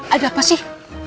ada apa sih